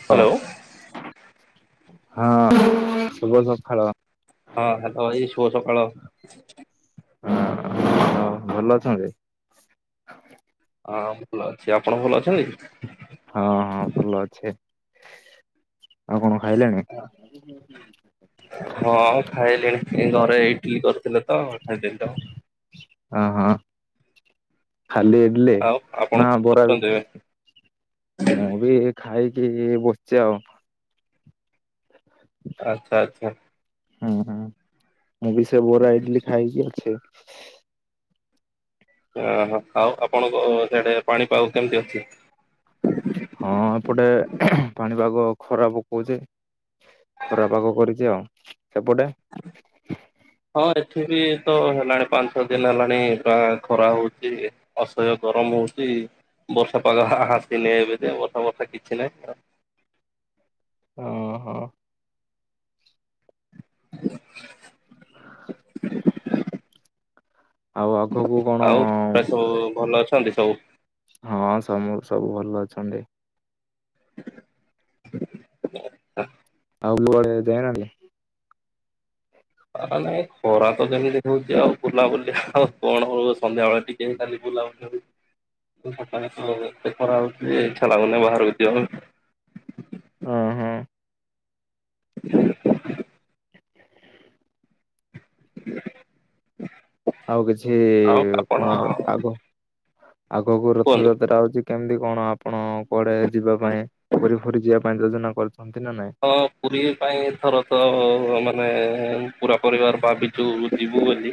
Hello ହଁ ଶୁଭ ସଖାଳ, ହଁ ହ୍ୟାଲୋ ଏ ଶୁଭ ସକାଳ, ହ ହ ଭଲ ଅଛନ୍ତି? ହଁ ଭଲ ଅଛି ଆପଣ ଭଲ ଅଛନ୍ତି? ହଁ ହଁ ଭଲ ଅଛେ ଆଉ କଣ ଖାଇଲେଣି? ହଁ ଖାଇଲିଣି ଘରେ ଇଟିଲି କରିଥିଲେ ତ ଖାଇଦେଲି ତ। ହଁ ହଁ, ଖାଲି ଇଡଲି ଆଉ ଆପଣ ନା ବରା ବି କରୁଛନ୍ତି ଏବେ? ଖାଇଛ ମୁଁ ବି ଖାଇ ପିଇକି ବସିଚି ଆଉ। ଆଚ୍ଛା ଆଚ୍ଛା। ହୁଁ ହୁଁ ମୁଁ ବି ସେ ବରା ଇଡଲି ଖାଇକି ଅଛି। ଆହା ଆଉ ଆପଣଙ୍କ ସିଆଡେ ପାଣିପାଗ କେମିତି ଅଛି? ହଁ ଏପଟେ ଖେ ପାଣିପାଗ ଖରା ପକଉଛି। ଖରାପାଗ କରିଛି ଆଉ। ସେପଟେ ପୃଥିବୀ ତ ହେଲାଣି ପାଞ୍ଚ ଛଅ ଦିନ ହେଲାଣି ଗା ଖରା ହଉଛି ଅସହ୍ୟ ଗରମ ହଉଛି। ବର୍ଷା ପାଗ ହା ହାସିନି ଏବେ ଯାଏଁ ବର୍ଷା ବର୍ଷା କିଛି ନାହିଁ। ହଁ ହଁ। ନା ଆଉ ଆଗକୁ କଣ ଆଉ ପାଆ ସବୁ ଭଲ ଅଛନ୍ତି ସବୁ? ହଁ ସମୁଁ ସବୁ ଭଲ ଅଛନ୍ତି। ହା କୁଆଡ଼େ ଯାଇ ନାହାନ୍ତି? ନା ନାଇଁ ଖରା ତ ଯେମିତି ହଉଛି ଆଉ ବୁଲାବୁଲି ଆଉ କଣ ହବ। ସନ୍ଧ୍ୟାବେଳେ ଟିକେ ଖାଲି ବୁଲା ବୁଲି ହଉଛି ସକାଳେ ସନ୍ଧ୍ୟା ବେଳେ ଖରା ହଉଛି ଯେ ଇଛା ଲାଗୁନି ବାହାରକୁ ଯିବା ପାଇଁ। ହଁ ହଁ ହା ଆଉ କିଛି ଆଉ ଆପଣ କଣ ଆଗ ଆଗକୁ କୁହନ୍ତୁ। ରଥଯାତ୍ରା ହଉଛି କେମିତି କଣ ଆପଣ କୁଆଡେ ଯିବା ପାଇଁ ପୁରୀ ଫୁରି ଯିବା ପାଇଁ ଯୋଜନା କରୁଛ ହଁ ପୁରୀ ପାଇଁ ଏଥର ତ ମାନେ ପୁରା ପରିବାର ଭାବିଚୁ ଯିବୁ ବୋଲି।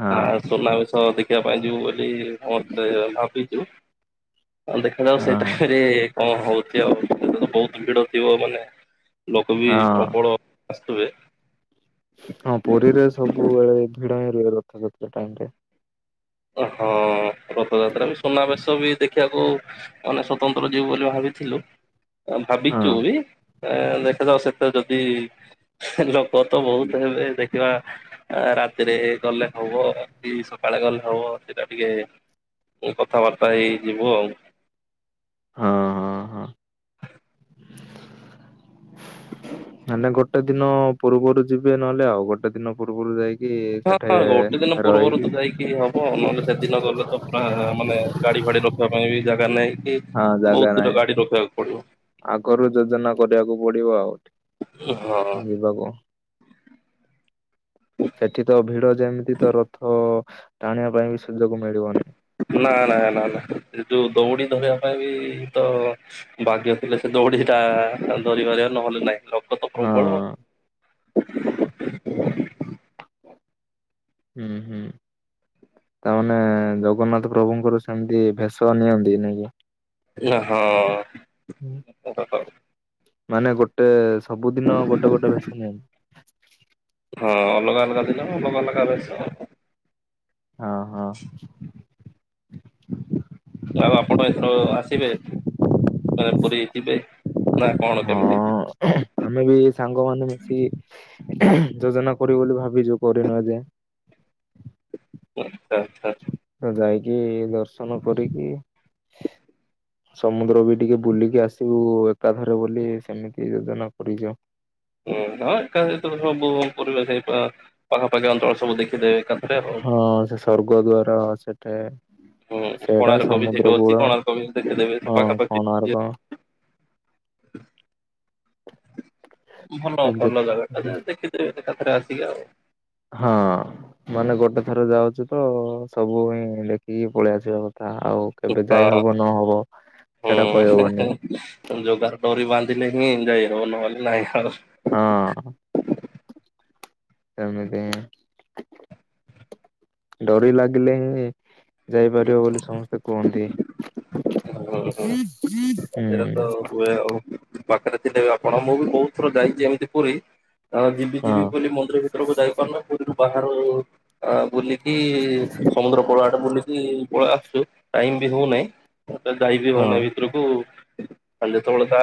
ହଁ ଆ ସୁନା ବେଶ ଦେଖିବା ପାଇଁ ଯିବୁ ବୋଲି ସମସ୍ତେ ଭାବି ଦେଖାଯାଉ ହଁ ହଁ ସେଠାରେ କଣ ହଉଛି ଆଉ ବହୁତ ଭିଡ ଯିବ ମାନେ ଲୋକ ବି ହଁ ପ୍ରବଳ ଆସୁଥିବେ। ହଁ ପୁରୀରେ ସବୁବେଳେ ଭିଡ ହିଁ ରୁହେ ରଥଯାତ୍ରା ଟାଇମ ରେ। ହଁ ହ ରଥଯାତ୍ରା ବି ସୁନାବେଶ ବି ଦେଖିବାକୁ ମାନେ ସ୍ୱତନ୍ତ୍ର ଯିବୁ ବୋଲି ଭାବି ଥିଲୁ। ହଁ ଭାବିଛୁ ଯିବୁ ବୋଲି ଏ ଦେଖାଯାଉ ସେତା ଯଦି ହେଁ ଲ ପୁଅ ତ ବହୁତ ହେବେ ଦେଖିବା ରାତିରେ ଗଲେ ହବ କି ସକାଳେ ଗଲେ ହେବ ସେଇଟା ଟିକେ କଥାବାର୍ତ୍ତା ହେଇ ଯିବୁ ଆଉ। ହଁ ହଁ ହଁ। ମାନେ ଗୋଟେ ଦିନ ପୂର୍ବରୁ ଯିବେ ନହେଲେ ଆଉ ଗୋଟେ ଦିନ ପୂର୍ବରୁ ଯାଇକି ସେଠେ ହଁ ଗୋଟେ ଦିନ ପୂର୍ବରୁ ରହିକି ତ ଯାଇକି ହବ ନହଲେ ସେଦିନ ଗଲେ ତ ପୁରା ମାନେ ଗାଡି ଗାଡି ରଖିବା ପାଇଁ ବି ଜାଗା ନାଇଁ କି ହଁ ଜାଗା ବହୁତ ଦୂର ନାହିଁ ଗାଡି ରଖିବାକୁ ପଡିବ। ଆଗରୁ ଯୋଜନା କରିବାକୁ ପଡିବ ଆଉ। ହଁ ହଁ ହଁ। ଯିବାକୁ ସେଠି ତ ଭିଡ ଯେମିତି ତ ରଥ ଟାଣିବା ପାଇଁ ବି ସୁଯୋଗ ମିଳିବନି ନା ନା ନା ନା ଏ ତୁ ଦୌଡ଼ି ଧରି ଧରିବା ବି ତ ଭାଗ୍ୟ ଥିଲେ ସେ ଦୌଡ଼ି ଟା ଧରି ପାରିବା ନହେଲେ ନାହିଁ। ଲୋକ ତ ହଁ ପ୍ରବଳ। ହୁଁ ହୁଁ। ତା ମାନେ ଜଗନ୍ନାଥ ପ୍ରଭୁଙ୍କର ସେମିତି ଭେଷ ନିଅନ୍ତି ନାଇଁ କି? ଓ ହଁ ଓହୋ। ମାନେ ଗୋଟେ ସବୁଦିନ ଗୋଟେ ଗୋଟେ ଭେଷ ନାଇ। ହଁ ଅଲଗା ଅଲଗା ଦିନ ଅଲଗା ଅଲଗା ବେଶ ହଁ ହଁ। ଆଉ ଆପଣ ଏଥର ର ଆସିବେ? ମାନେ ପୁରୀ ଯିବେ ନା କଣ କେମିତି? ଆମେ ବି ସାଙ୍ଗମାନେ ମିଶି ଯୋଜନା କରିବୁ ବୋଲି ଭାବିଛୁ କରିନୁ ଏ ଯାଏ। ଏ [unintelligible] ତ ଯାଇକି ଦର୍ଶନ କରିକି ସମୁଦ୍ର ବି ଟିକେ ବୁଲିକି ଆସିବୁ ଏକାଥରେ ବୋଲି ସେମିତି ଯୋଜନା କରିଚୁ। ହୁଁ ହଁ ଏକା ସବୁ ପରିବେଶ ଏଇ ପାଖାପାଖି ଅଞ୍ଚଳ ସବୁ ଦେଖି ହଁ ସେ ସ୍ୱର୍ଗଦ୍ୱାର ସେଠେ ହୁଁ ସେଇଟା କୋଣାର୍କ ବି ସମୁଦ୍ର ସେଇଠି ଅଛି କୂଳ କୋଣାର୍କ ବି ଦେଖିଦେବେ ସେ ହଁ ପାଖାପାଖି କୋଣାର୍କ [unintelligible] [inaudible] ଭଲ ସେ ଭଲ ଜାଗା ଯେ ଟା ଦେଖିଥିବେ ଥରେ ଆସିକି ଆଉ। ହଁ ମାନେ ଗୋଟେ ଥର ଯାଉଚୁ ତ ସବୁ ହିଁ ଦେଖିକି ପଳେଇଆସିବା କ ଆଉ କେବେ ହଁ। ଯାଇ ହବ ନହବ ସେଟା କହିହବନି। ହୁଁ ଜଗାର ଡୋରି ବାନ୍ଧିଲେ ହି ଯାଇ ହବ ନହେଲେ ନାହିଁ ଆଉ। ହଁ। ସେମିତି ଡୋରି ଲାଗିଲେ ହିଁ ଯାଇପାରିବ ବୋଲି ସମସ୍ତେ କୁହନ୍ତି। [inaudible] ପାଖରେ ତ ହୁଏ ଆଉ ପାଖରେ ଥିଲେ ଆପଣ ମୁଁ ବି ବହୁତ ଥର ଯାଇଛି ଏମିତି ପୁରୀ। ଆ ଯିବି ହଁ ଯିବି ବୋଲି ମନ୍ଦିର ଭିତରକୁ ଯାଇପାରୁନା ପୁରୀରୁ ବାହାରୁ ଆ ବୁଲି ଇ ସମୁଦ୍ର କୂଳ ଆଡେ ବୁଲିକି ପଳେଇ ଆସୁଛୁ ଟାଇମ ବି ହଉନାଇ। ବର୍ତ୍ତମାନ ଯାଇ ବି ହଁ ହଉନାହିଁ ଭିତରକୁ। ଆଉ ଯେତେବେଳେ ତା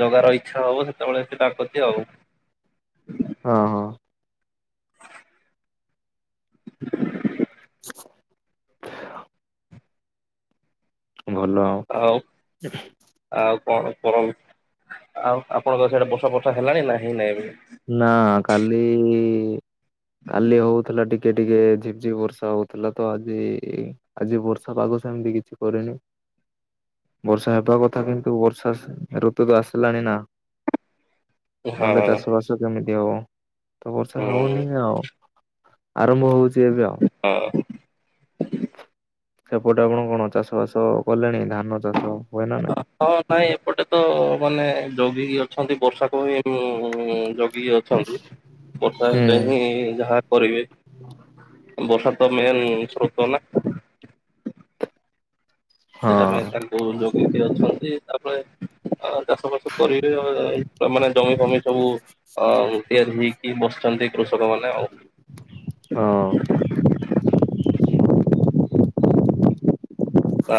ଜଗାର ଇଚ୍ଛା ହବ ସେତେବେଳେ ସେ ଡାକୁଛି ଆଉ। [inaudible] ହଁ ହଁ। [unintelligible] [unintelligible] [inaudible] ଭଲ ଆଉ ଆଉ କଣ କର ଆଉ ଆପଣଙ୍କ ସେଇଆଡେ ବର୍ଷା ଫର୍ଷା ହେଲାଣି ନା ହେଇନାହିଁ। ନା କାଲି କାଲି ହଉଥିଲା ଟି ଟିକେ ଟିକେ ଝିପ ଝିପ୍ ବର୍ଷା ହଉଥିଲା ତ ଆଜି ଆଜି ବର୍ଷା ପାଗ ସେମିତି କିଛି କରିନି। [inaudible] ବର୍ଷା ହେବା କଥା କିନ୍ତୁ ବର୍ଷା ଋତୁ ତ ଆସିଲାଣି ନା। ହଁ ନହେଲେ ଚାଷ ବାସ କେମିତି ହବ ତ ବର୍ଷା ହୁଁ ହବନି ଆଉ ଆରମ୍ଭ ହଉଛି ଏବେ ଆଉ। ହଁ ସେପଟେ ଆପଣ କଣ ଚାଷ ବାସ କଲେଣି ନା ଚାଷ ହୁଏ ନାଇଁ? [inaudible] ହଁ ନାଇଁ ଏପଟେ ତ ମାନେ ଜଗିକି ଅଛନ୍ତି ବର୍ଷାକୁ ହିଁ ଜ ବି ଅଛନ୍ତି ବର୍ଷା ହେଲେ ହିଁ ଯାହା କରିବେ। ବର୍ଷା ତ ମେନ୍ ସ୍ରୋତ ନା। ସେଟା ପାଇଁ ହଁ ତାଙ୍କୁ ଜଗିକି ଅଛନ୍ତି ତାପରେ ଆ ଚାଷ ବାସ କରିକିରି ଆ ମାନେ ଜମି ଫମି ସବୁ ଅ ତିଆରି ହେଇକି ବସିଛନ୍ତି କୃଷକ ମାନେ ଆଉ। ହଁ।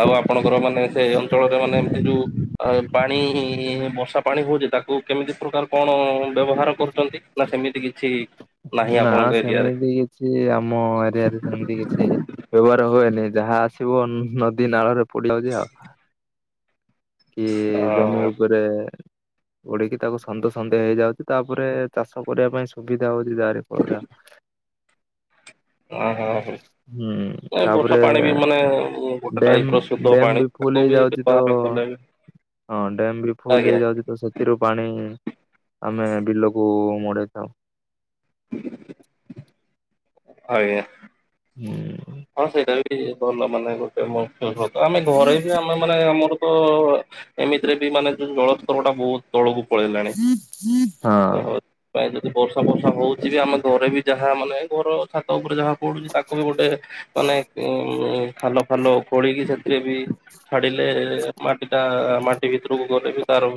ଆଉ ଆପଣଙ୍କର ମାନେ ସେ ଅଞ୍ଚଳରେ ମାନେ ଏ ଯୋଉ ପାଣି ବର୍ଷା ପାଣି ହଉ ଯେ ତାକୁ କେମିତି ପ୍ରକାର କଣ ବ୍ୟବହାର କରୁଛନ୍ତି ନା ସେମିତି କିଛି ନାହିଁ ନା ଆପଣଙ୍କ ଏରିଆରେ? ସେମିତି କିଛି ଆମ ଏରିଆରେ ସେମିତି କିଛି ବ୍ୟବହାର ହୁଏନି ଯାହା ଆସିବ ନଦୀ ନାଳରେ [unintelligible] ହେଉଛି ଆଉ। କି ଜମି ଅ ଉପରେ ପଡିକି ତାକୁ ସନ୍ଦେ ସନ୍ଦେ ହେଇଯାଉଛି ତାପରେ ଚାଷ କରିବା ପାଇଁ ସୁବିଧା ହଉଛି ଜାହାରି ଫଳରେ ଆ ଆଁ ହଁ ହଁ ହଁ ହୁଁ ବର୍ଷା ତାପରେ ପାଣି ବି ମାନେ ଗୋଟେ ଡ୍ୟାମ୍ ଟାଇପ ର ଶୁଧ ଡ୍ୟାମ୍ ପାଣି ବି ଫୁଲ ତାକୁ ବି ହେଇଯାଉଛି ତ ବ୍ୟବହାର କଲେ ବି ହଁ ଡ୍ୟାମ ବି ଫୁଲ ଆଜ୍ଞା ହେଇଯାଉଛି ତ ସେଥିରୁ ପାଣି ଆମେ ବିଲକୁ ମୋଡେଇଥାଉ। ଆଜ୍ଞା। ହୁଁ। ହଁ ସେଇଟା ବି ଭଲ ମାନେ ଗୋଟେ ଆମେ ଘରେ ବି ଆମେ ମାନେ ଆମର ଏମିତିରେ ବି ମାନେ ଯୋଉ ଜଳସ୍ତର ଟା ବହୁତ ତଳକୁ ପଳେଇଲାଣି। ହଁ ଉହୁଁ ଆଃ ଯ ବର୍ଷା ଫର୍ଷା ହୋଉଛି ବି ଆମେ ଘରେ ବି ଯାହା ମାନେ ଘର ଛାତ ଉପରେ ଯାହା ପଡୁଛି ତାକୁ ବି ଗୋଟା ମାନେ ଉଁ ଖାଲ ଫାଲ ଖୋଳିକି ସେଥିରେ ବି ଛାଡିଲେ ମାଟି ଟା ମାଟି ଭିତରକୁ ଗଲେ ବି ତାର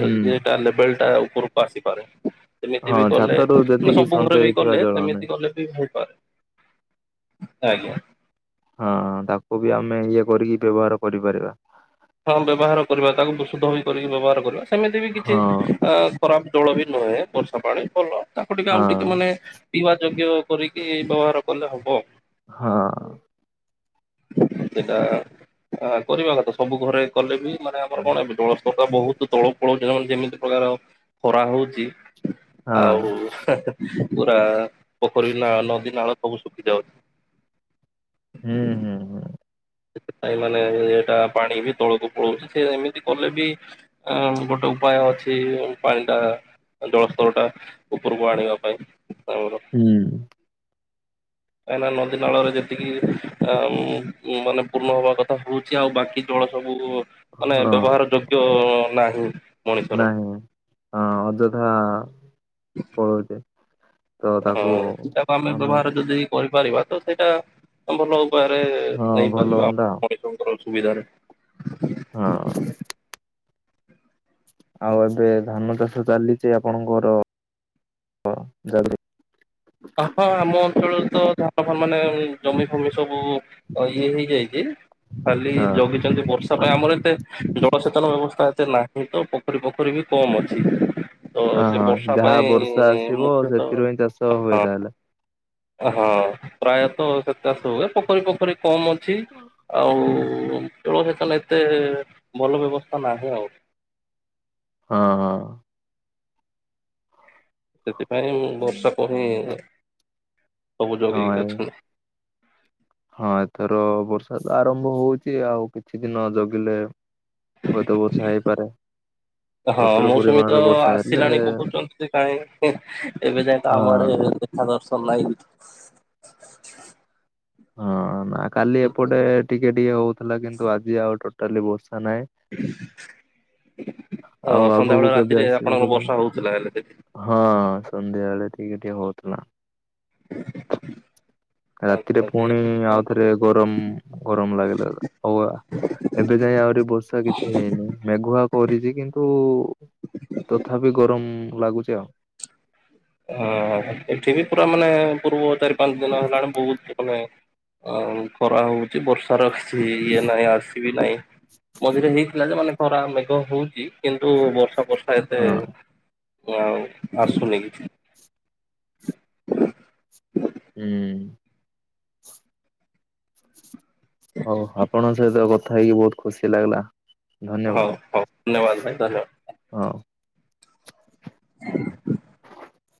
ହୁଁ ଲେବଲ ଟା ଉପରକୁ ଆସିପାରେ। ସେମିତି ହଁ ବି କଲେ ଛାତରୁ ମାନେ ଯେତିକି ସବୁ ଘରେ ସଞ୍ଚୟ ବି ହେଇଥିବା କଲେ ଜଳ ନାହିଁ ସେମିତି କଲେ ଭୁ ଆ [inaudible] ଆଜ୍ଞା। ହଁ ତାକୁ ବି ଆମେ ଇଏ କରିକି ବ୍ୟବହାର କରିପାରିବା। ହଁ ବ୍ୟବହାର କରିବା ତାକୁ ବିଷୁଦ୍ଧ ହୋଇ କରିକି ବ୍ୟବହାର କରିବା ସେମିତି ବି କିଛି ହଁ ଅ ଖରାପ ଜଳ ବି ନୁହେଁ ବର୍ଷା ପାଣି ଭଲ ତାକୁ ଟିକେ ଆଉ ଟିକେ ହଁ ମାନେ ପିଇବା ଯୋଗ୍ୟ କରିକି ବ୍ୟବହାର କଲେ ହବ। ହଁ। ସେଇଟା କରିବା କଥା ସବୁ ଘରେ କଲେ ବି ମାନେ ଆମର କଣ ଏବେ ଵେବସ୍ତା ବହୁତ ତଳ ପଳଉଛି ଯେମିତି ପ୍ରକାର ଖରା ହୋଉଛି ଆଉ ହଁ ହେଁ ହେଁ ପୁରା ପୋଖରୀ ନାଳ ନଦୀ ନାଳ ସବୁ ଶୁଖି ଯାଉଛି। ହୁଁ ହୁଁ ହୁଁ। ସେଥିପାଇଁ ମାନେ ଏଟା ପାଣି ବି ତଳକୁ ପଳାଉଛି ସେ ଏମିତି କଲେ ବି ଗୋଟେ ଉପାୟ ଅଛି ପାଣି ଟା ଜଳସ୍ତର ଟା ଉପରକୁ ଆଣିବା ପାଇଁ ହୁଁ। କାହିଁକି ନଦୀ ନାଳରେ ଯେତିକି ମାନେ ପୂର୍ଣ ହବା କଥା ହଉଛି ଆଉ ବାକି ଜ ରା ସବୁ ମାନେ ହଁ ବ୍ୟବହାର ଯୋଗ୍ୟ ନାହିଁ। ମଣିଷର ନାହିଁ ହଁ ଅଯଥା କହୁଛି ହଁ ତାକୁ ଆମେ ବ୍ୟବହାର ଯଦି କରିପାରିବା ତ ସେଇଟା ଭଲ ପରେ ହଁ ନେଇ ଭଲ ପାରିବ ହୁଅନ୍ତା ପରେ ଫୁଣି ତୋ ଅସୁବିଧାରେ ହଁ [inaudible] ଆଉ ଏବେ ଧାନ ଚାଷ ଚାଲିଛି ଆପଣଙ୍କର ହଁ ଜାଡୁରୁ ହଁ ଆମ ଅଞ୍ଚଳ ତ ଧାନ ଫାନ ମାନେ ଜମି ଫମି ସବୁ ଇଏ ହେଇଯାଇଛି ଖାଲି ହଁ ଜଗିଛନ୍ତି ବର୍ଷା ପାଇଁ ଆମର ଏତେ ଜଳସେଚନ ବ୍ୟବସ୍ଥା ନାହିଁ ତ ପୋଖରୀ ପୋଖରୀ ବି କମ୍ ଅଛି। ତ ଅ ସେ ହଁ ବର୍ଷା ଯାହା ପାଇଁ ବର୍ଷା ଆସିବ ମୁଖ୍ୟତଃ ସେଥିରୁ ହିଁ ଚାଷ ହବ ତାହାଲେ? ହଁ ପ୍ରାୟତଃ ସେତେଷ ହୁଏ ପୋଖରୀ ପୋଖରୀ କମ୍ ଅଛି ଆଉ ଉଁ ସେ ଏତେ ଭଲ ବ୍ୟବସ୍ଥା ନାହିଁ ଆଉ। [inaudible] ହଁ ହଁ। ସେଥିପାଇଁ ବର୍ଷା କୁ ହିଁ ସବୁ ହଁ ଜଗେଇକି ଏ ଅଛନ୍ତି। ହ ହଁ ଏଥର ବର୍ଷା ତ ଆରମ୍ଭ ହୋଉଛି ଆଉ କିଛି ଦିନ ଜଗିଲେ ହୁଏତ ବର୍ଷା ହେଇପାରେ। ହଁ ପ୍ରଚୁର ମୌସୁମୀ ତ ପରିମାଣରେ ବର୍ଷା ହେଲେ ଆସିଲାଣି କହୁଛନ୍ତି କାହିଁ ଏବେ ଯାଇଏ ତ ଆମ ଆଡେ ହଁ ଦେଖା ଦର୍ଶନ ନାହିଁ। [inaudible] ହୁଁ ନା କାଲି ଏପଟେ ଟିକେ ଟିକେ ହୋଉଥିଲା କିନ୍ତୁ ଆଜି ଆଉ ଟୋଟାଲି ବର୍ଷା ମାନେ ଅ [inaudible] ଆଉ ଆଗକୁ ସନ୍ଧ୍ୟାବେଳେ କେବେ ରାତିରେ ଆସିବ ଆପଣଙ୍କର କେଜାଣି ବର୍ଷା ହଉଥିଲା ହେଲେ ସେଠି। [inaudible] ହଁ। ସନ୍ଧ୍ୟାବେଳେ ଟିକେ ଟିକେ ହୋଉଥିଲା। [inaudible] ହଁ ରାତିରେ ପୁଣି ଆଉଥରେ ଗରମ ଗରମ ଲାଗିଲା ଲା ହଉ ଆ ଏବେ ଯାଇ ଆହୁରି ବର୍ଷା କିଛି ହେଇନି ମେଘୁଆ କରିଚି କିନ୍ତୁ ତଥାପି ଗରମ ଲାଗୁଚି ଆଉ। ହଁ ଏଠି ବି ପୁରା ମାନେ ପୂର୍ବ ଚାରି ପାଞ୍ଚ ଦିନ ହେଲାଣି ବୋହୁତ ମାନେ ଆଉ ଖରା ହଉଚି ବର୍ଷାର କିଛି ଇଏ ନାହିଁ ଆସିବି ନାହିଁ। ମଝିରେ ହେଇଥିଲା ଯେ ମାନେ ଖରା ମେଘ ହୋଉଚି କିନ୍ତୁ ବର୍ଷା ବର୍ଷା ଏତେ ହଁ ଆଉ ଆସୁନି କିଛି। ହୁଁ। ହଉ ଆପଣଙ୍କ ସହିତ କଥା ହେଇକି ବୋହୁତ ଖୁସି ଲାଗିଲା। ହଉ ହଉ ଧନ୍ୟବାଦ ଧନ୍ୟବାଦ ଭାଇ ଧନ୍ୟବାଦ। ହଁ।